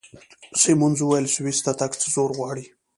سیمونز وویل: سویس ته تګ څه زور غواړي؟